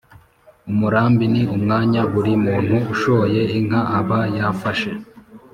umurambi ni umwanya buri muntu ushoye inka aba yafashe